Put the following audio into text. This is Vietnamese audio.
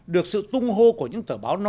được sự tung hô của những tờ báo non nớt